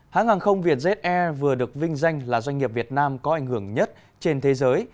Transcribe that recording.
hãng hàng không vietjet air vừa được vinh danh là doanh nghiệp việt nam có ảnh hưởng nhất trên thế giới